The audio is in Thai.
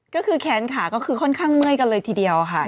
ก็คือแค้นขาก็คือค่อนข้างเมื่อยกันเลยทีเดียวค่ะ